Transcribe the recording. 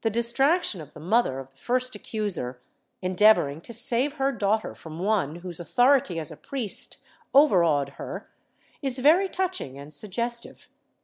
The distraction of the mother of the first accuser, endeavoring to save her daughter from one whose authority as a priest overawed her, is very touching and suggestive.